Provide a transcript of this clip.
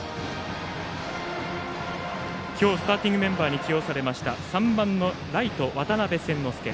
今日スターティングメンバーに起用された３番のライト、渡邉千之亮。